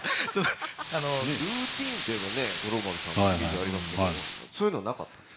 ルーティンといえば五郎丸さんのイメージありますがそういうのなかった？